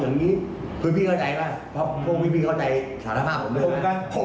นี้พวกคุณพี่เข้าใจไหมเพราะพวกคุณพี่เข้าใจสารห้ามผมเนี้ย